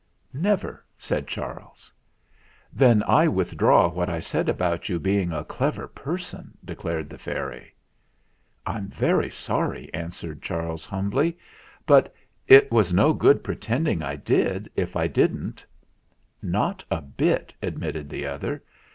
"Never," said Charles. "Then I withdraw what I said about you being a clever person," declared the fairy. "I'm very sorry," answered Charles humbly ; "but it was no good pretending I did if I didn't." "Not a bit," admitted the other.